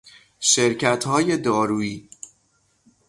شرکتهای دارویی